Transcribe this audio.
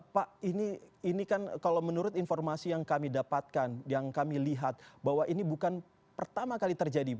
pak ini kan kalau menurut informasi yang kami dapatkan yang kami lihat bahwa ini bukan pertama kali terjadi